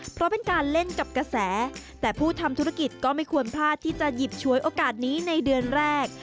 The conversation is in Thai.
เพราะเป็นการเล่นกับกระแสแต่ผู้ทำธุรกิจก็ไม่ควรพลาดที่จะหยิบฉวยโอกาสนี้ในเดือนแรก